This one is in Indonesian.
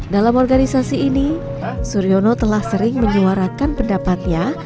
dalam organisasi ini suryono telah sering menyuarakan pendapatnya